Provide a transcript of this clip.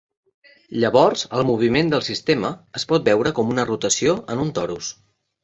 Llavors, el moviment del sistema es pot veure com una rotació en un torus.